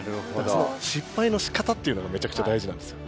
その失敗のしかたっていうのがめちゃくちゃ大事なんですよ。